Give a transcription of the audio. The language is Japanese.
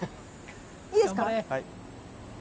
いいですか。